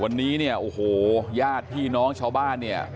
วันนี้เนี่ยโอ้โหญาติพี่น้องชาวบ้านเนี่ย